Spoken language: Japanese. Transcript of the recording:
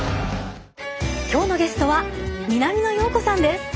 今日のゲストは南野陽子さんです。